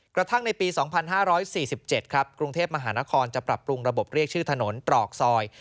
กระทั่งในปี๒๕๔๗ครับกรุงเทพมหานครจะปรับปรุงระบบเรียกชื่อถนนตรอกซอย